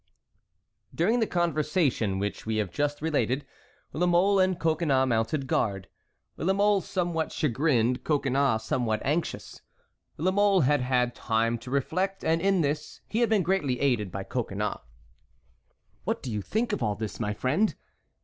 During the conversation which we have just related, La Mole and Coconnas mounted guard. La Mole somewhat chagrined, Coconnas somewhat anxious. La Mole had had time to reflect, and in this he had been greatly aided by Coconnas. "What do you think of all this, my friend?"